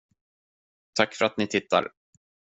Tack för att ni tittar!